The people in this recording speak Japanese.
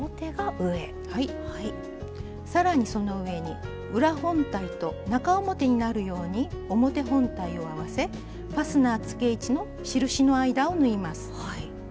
さらにその上に裏本体と中表になるように表本体を合わせファスナーつけ位置の印の間を縫います。